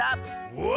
うわ！